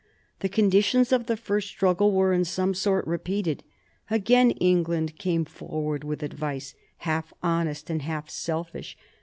The conditions of the first struggle were in some sort repeated. Again England came forward with advice, half honest and half selfish.